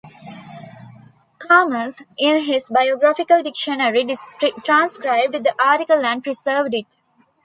Chalmers, in his "Biographical Dictionary", transcribed the article and preserved it.